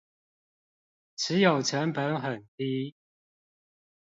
持有成本很低